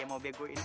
dia mau beguin aneh